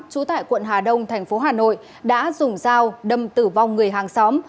trú tại quận hà đông thành phố hà nội đã dùng dao đâm tử vong người hàng xóm